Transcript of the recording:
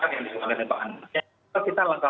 jadi pintaran yang diperlukan komnas pnk harus tetap dilakukan